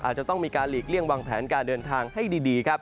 อาจจะต้องมีการหลีกเลี่ยงวางแผนการเดินทางให้ดีครับ